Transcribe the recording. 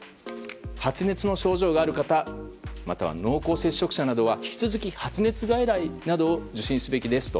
発熱の症状がある方または濃厚接触者などは引き続き発熱外来などを受診すべきですと。